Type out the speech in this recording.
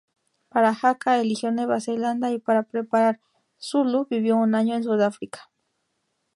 Para "Haka" eligió Nueva Zelanda y para preparar "Zulu" vivió un año en Sudáfrica.